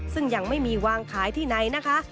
ซึ่งยังไม่มีวางขายที่ไหนนะคะ